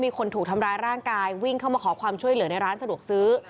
มีคนถูกทำร้ายร่างกายวิ่งเข้ามาขอความช่วยเหลือในร้านสะดวกซื้อ